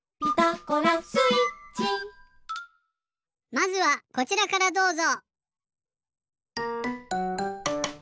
まずはこちらからどうぞ。